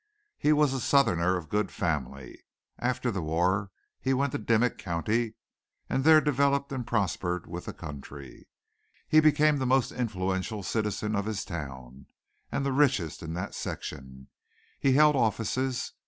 He was a Southerner of good family. After the war he went to Dimmick County and there developed and prospered with the country. He became the most influential citizen of his town and the richest in that section. He held offices.